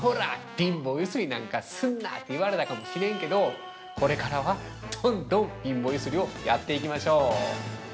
貧乏ゆすりなんかすんなって言われたかもしれんけどこれからは、どんどん貧乏ゆすりをやっていきましょう。